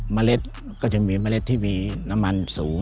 เล็ดก็จะมีเมล็ดที่มีน้ำมันสูง